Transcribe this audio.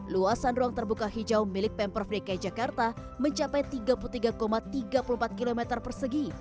luasan ruang terbuka hijau milik pemprov dki jakarta mencapai tiga puluh tiga tiga puluh empat km persegi